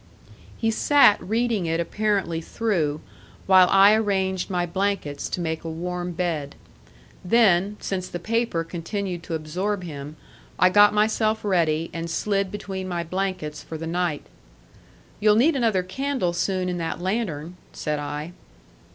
He sat reading it apparently through, while I arranged my blankets to make a warm bed. Then, since the paper continued to absorb him, I got myself ready, and slid between my blankets for the night. "You'll need another candle soon in that lantern," said I.